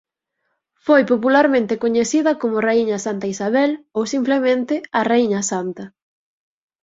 Foi popularmente coñecida como "Raíña Santa Isabel" ou simplemente "A Raíña Santa".